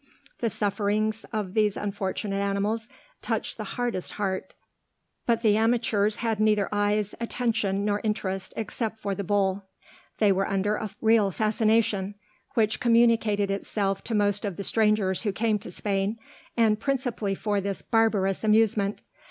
The sufferings of these unfortunate animals touched the hardest heart; but the amateurs had neither eyes, attention, nor interest, except for the bull. They were under a real fascination, which communicated itself to most of the strangers who came to Spain, and principally for this barbarous amusement.